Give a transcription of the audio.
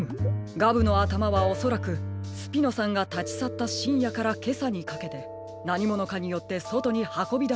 ガブのあたまはおそらくスピノさんがたちさったしんやからけさにかけてなにものかによってそとにはこびだされたのでしょう。